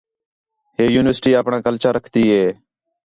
ہِے یونیورسٹی اپݨاں کلچر رکھدی ہِے